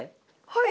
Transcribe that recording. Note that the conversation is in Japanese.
はい。